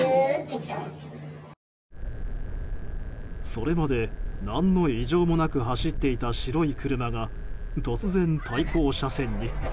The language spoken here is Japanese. それまで何の異常もなく走っていた白い車が突然、対向車線に。